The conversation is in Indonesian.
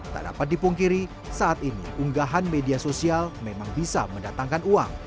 tak dapat dipungkiri saat ini unggahan media sosial memang bisa mendatangkan uang